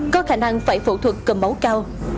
có khả năng phải phẫu thuật cầm máu cao